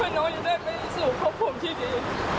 ให้น้องจะได้ไปสู่ควบคุมที่ดี